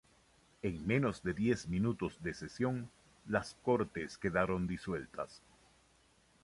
En menos de diez minutos de sesión, las Cortes quedaron disueltas.